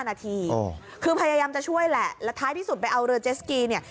นาทีคือพยายามจะช่วยแหละแล้วท้ายที่สุดไปเอาเรือเจสกีเนี่ย